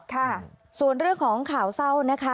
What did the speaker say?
ค่ะส่วนเรื่องของข่าวเศร้านะคะ